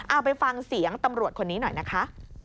เอาไปฟังเสียงตำรวจคนนี้หน่อยนะคะ